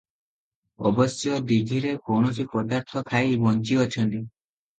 ଅବଶ୍ୟ ଦୀଘିରେ କୌଣସି ପଦାର୍ଥ ଖାଇ ବଞ୍ଚିଅଛନ୍ତି?